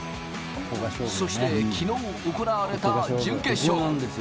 そして昨日行われた準決勝。